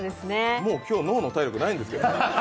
もう今日、脳の体力ないんですけど。